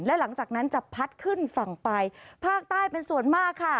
และหลังจากนั้นจะพัดขึ้นฝั่งไปภาคใต้เป็นส่วนมากค่ะ